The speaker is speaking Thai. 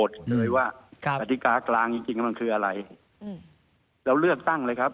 เลยว่ากฎิกากลางจริงจริงมันคืออะไรเราเลือกตั้งเลยครับ